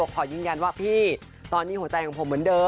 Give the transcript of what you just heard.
ความสัมพันธ์ที่คิดว่า